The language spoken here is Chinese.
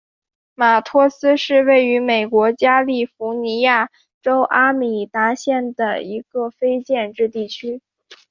马托斯是位于美国加利福尼亚州阿拉米达县的一个非建制地区。